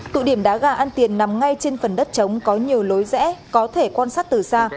tụ điểm đá gà ăn tiền nằm ngay trên phần đất chống có nhiều lối rẽ có thể quan sát từ xa